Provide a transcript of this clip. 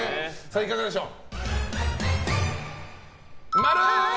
いかがでしょう。